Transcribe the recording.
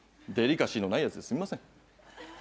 デリカシーのないやつですみません。